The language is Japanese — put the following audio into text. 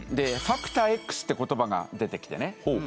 ファクターＸって言葉が出てきてね。